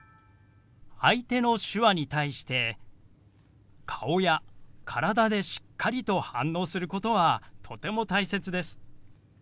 相手の手話に対して顔や体でしっかりと反応することはとても大切です。